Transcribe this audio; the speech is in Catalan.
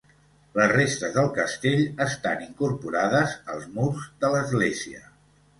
Les restes del castell estan incorporades als murs de l'església.